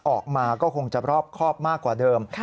ออกมาก็คงจะรอบครอบมากกว่าเดิม